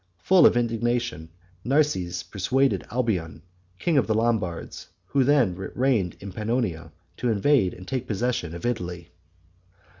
Full of indignation, Narses persuaded Alboin, king of the Lombards, who then reigned in Pannonia, to invade and take possession of Italy.